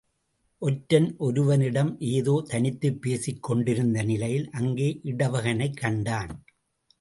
ஒற்றன் ஒருவனிடம் ஏதோ தனித்துப் பேசிக் கொண்டிருந்த நிலையில் அங்கே இடவகனைக் கண்டான்.